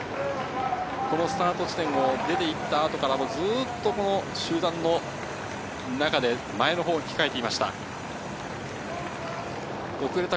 スタート地点を出て行った後からも集団の中で前のほうに控えていました。